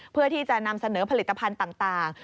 เพื่อที่จะนำเสนอผลิตภัณฑ์ต่าง